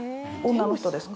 女の人ですか？